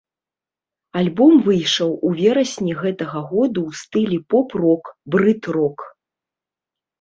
Альбом выйшаў у верасні гэтага году ў стылі поп-рок, брыт-рок.